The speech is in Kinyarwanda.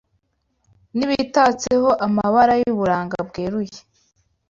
N’ibitatseho amabara Y’uburanga bweruye